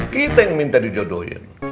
kita yang minta dijodohin